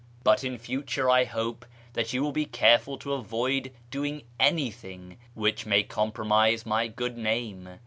') But in future I hope that you will be careful to avoid doing any thing which may compromise my good name.